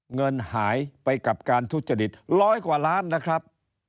เงินหายไปกับการทุจริตร้อยกว่าล้านนะครับ